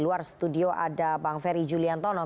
luar studio ada bang ferry juliantono